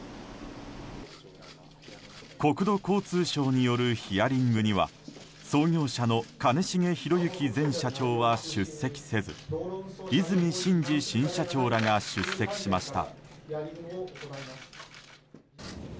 国土交通省によるヒアリングには創業者の兼重宏行前社長は出席せず、和泉伸二新社長らが出席しました。